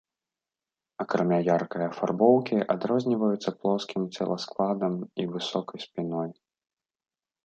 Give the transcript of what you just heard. Акрамя яркай афарбоўкі, адрозніваюцца плоскім целаскладам і высокай спіной.